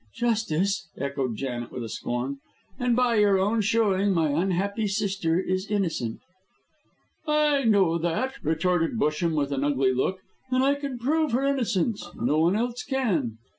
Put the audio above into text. "Justice!" echoed Janet, with scorn. "And by your own showing my unhappy sister is innocent." "I know that," retorted Busham, with an ugly look, "and I can prove her innocence. No one else can."